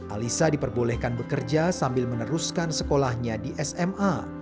alisa diperbolehkan bekerja sambil meneruskan sekolahnya di sma